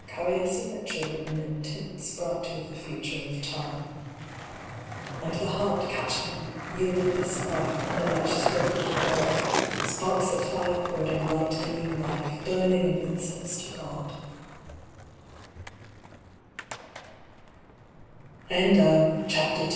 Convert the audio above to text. Carry a signature written in tints, Bright with the future of time. And the heart, catching them, yieldeth a spark Under each stroke of the rod Sparks that fly upward and light the New Life